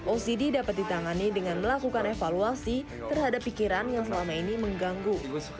ocd dapat ditangani dengan melakukan evaluasi terhadap pikiran yang selama ini mengganggu